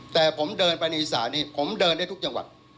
แต่ผมเดินไปในอีสานนี้ผมเดินได้ทุกจังหวัด